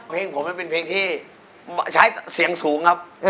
เพลงผมมันเป็นเพลงที่ใช้เสียงสูงครับ